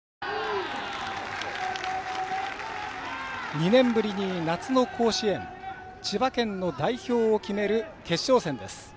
２年ぶりに夏の甲子園千葉県の代表を決める決勝戦です。